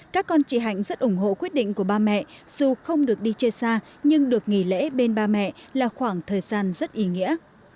các con chị hạnh rất ủng hộ quyết định của ba mẹ dù không được đi chơi xa nhưng được nghỉ lễ bên ba mẹ là khoảng thời gian rất ý nghĩa